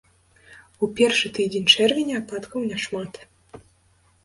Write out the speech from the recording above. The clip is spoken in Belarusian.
У першы тыдзень чэрвеня ападкаў не шмат.